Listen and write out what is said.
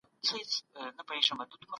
هغه څوک چي مطالعه کوي بریالی کیږي.